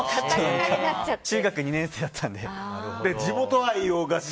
中学２年生だったので。